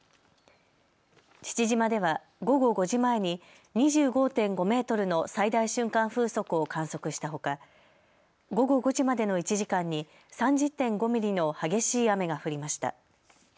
父島では午後５時前に２５．５メートルの最大瞬間風速を観測したほか午後５時までの１時間に３０．５ミリの激しい雨が降りました。